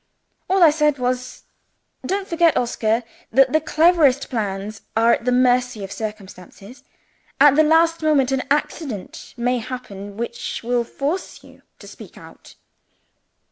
All I said was, "Don't forget, Oscar, that the cleverest plans are at the mercy of circumstances. At the last moment, an accident may happen which will force you to speak out."